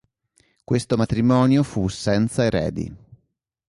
Questo matrimonio fu senza eredi.